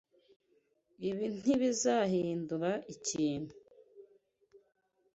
Ibi ntibizahindura ikintu.